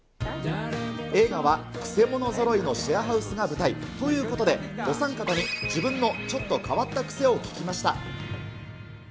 映画はくせ者ぞろいのシェアハウスが舞台。ということで、お三方に自分のちょっと変わった癖を聞きました。